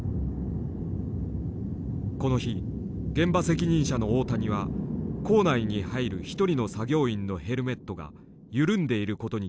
この日現場責任者の大谷は坑内に入る１人の作業員のヘルメットが緩んでいることに気付き